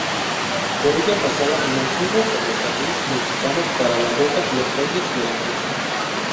Por ella pasaba el antiguo Ferrocarril Mexicano para la ruta Los Reyes-Veracruz.